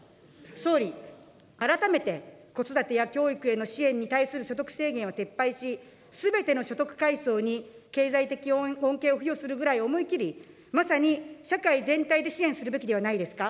総理、改めて子育てや教育への支援に対する所得制限は撤廃し、すべての所得階層に経済的恩恵を付与するぐらい思いきり、まさに、社会全体で支援するべきではないですか。